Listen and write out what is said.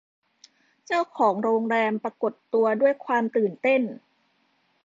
เจ้าของโรงแรมปรากฏตัวด้วยความตื่นเต้น